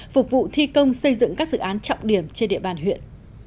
phục vụ thi công xây dựng các dự án trọng điểm trên địa bàn huyện